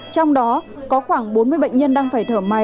trong đó có khoảng bốn mươi bệnh nhân đang phải thở máy